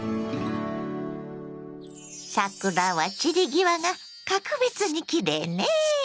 桜は散り際が格別にきれいね！